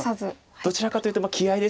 どちらかというと気合いですか。